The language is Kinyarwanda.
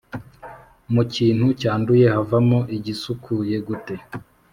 Mu kintu cyanduye havamo igisukuye gute,